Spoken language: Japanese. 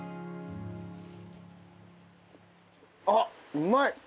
あっうまい！